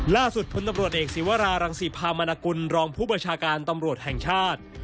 ล่าสุดพลตำรวจเอกศิวรารังศิพามนกุลรองผู้บัญชาการตำรวจแห่งชาติ